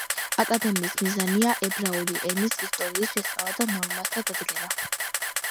აკადემიის მიზანია ებრაული ენის ისტორიის შესწავლა და ნორმათა დადგენა.